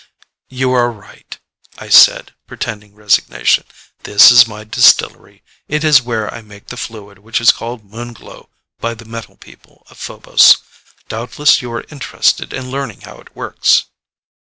"You are right," I said, pretending resignation. "This is my distillery. It is where I make the fluid which is called Moon Glow by the metal people of Phobos. Doubtless you are interested in learning how it works."